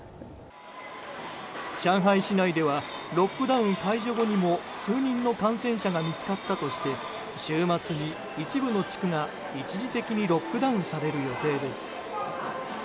上海市内ではロックダウン解除後にも数人の感染者が見つかったとして週末に一部の地区が一時的にロックダウンされる予定です。